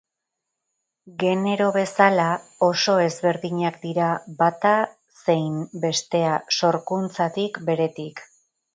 Genero bezala oso ezberdinak dira bata zein bestea, sorkuntzatik beretik.